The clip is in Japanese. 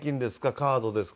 カードですか？」